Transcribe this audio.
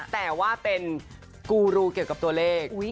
แต่ว่าเป็นกูรูเกี่ยวกับตัวเลข